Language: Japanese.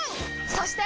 そして！